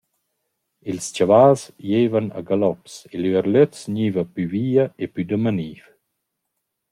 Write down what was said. Ils chavals giaivan als galops, e l’üerlöz gniva plü via e plü damaniv.